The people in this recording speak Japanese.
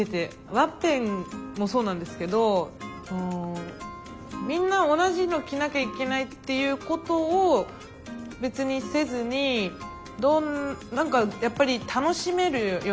ワッペンもそうなんですけどみんな同じの着なきゃいけないっていうことを別にせずに何かやっぱり楽しめるようになったらいいのかな。